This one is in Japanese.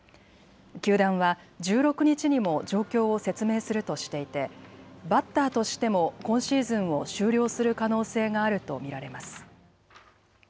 球団は１６日にも状況を説明するとしていてバッターとしても今シーズンを終了する可能性があると見られます。